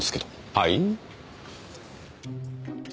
はい？